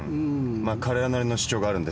まあ彼らなりの主張があるんでしょう。